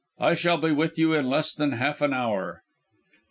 I shall be with you in less than half an hour!"